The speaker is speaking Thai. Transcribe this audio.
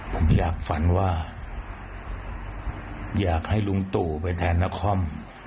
ผมอยากฝันว่าอยากให้ลุงตู่ไปแทนนคร